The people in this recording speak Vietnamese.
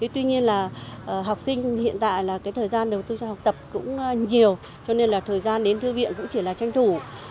tuy nhiên là học sinh hiện tại là thời gian đầu tư cho học tập cũng nhiều cho nên là thời gian đến thư viện cũng chỉ là tranh thủ